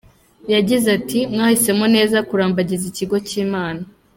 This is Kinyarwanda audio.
Yagize ati “Mwahisemo neza kurambagiza ikigo cy’Imana.